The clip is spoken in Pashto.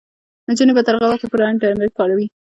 نجونې به تر هغه وخته پورې انټرنیټ کاروي.